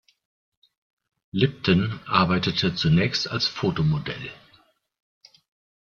Lipton arbeitete zunächst als Fotomodell.